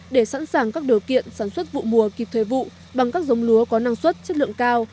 để sẵn sàng các điều kiện sản xuất vụ mùa kịp thời vụ bằng các giống lúa có năng suất chất lượng cao